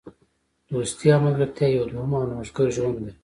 دوستي او ملګرتیا یو دوهم او نوښتګر ژوند دی.